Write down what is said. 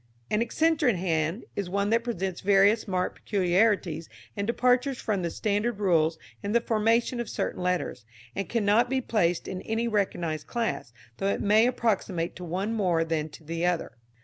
An Eccentric Hand is one that presents various marked peculiarities and departures from standard rules in the formation of certain letters, and cannot be placed in any recognised class, though it may approximate to one more than to another.